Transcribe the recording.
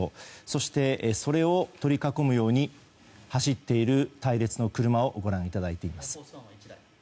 そして、それを取り囲むように走っている隊列の車をご覧いただいています。